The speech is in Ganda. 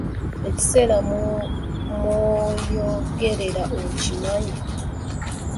Ekiseera mw’oyogerera okimanyi?